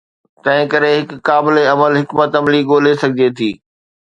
تنهنڪري هڪ قابل عمل حڪمت عملي ڳولي سگهجي ٿي.